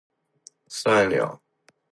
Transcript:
算鸟，算鸟，都不容易！